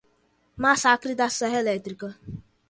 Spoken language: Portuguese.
Massacre da serra elétrica